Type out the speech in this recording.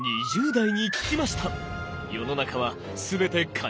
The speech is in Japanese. ２０代に聞きました！